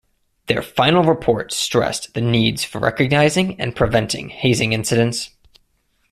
Their final report stressed the needs for recognizing and preventing hazing incidents.